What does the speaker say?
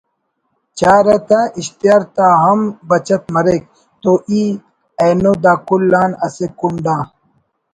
چارہ تا‘ اشتہار تا ہم بچت مریک“ تو ای اینو داکل آن اسہ کنڈ آ